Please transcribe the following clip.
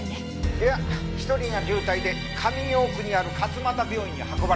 いや１人が重体で上京区にある勝俣病院に運ばれたって。